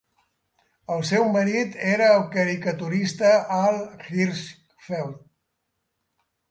El seu marit era el caricaturista Al Hirschfeld.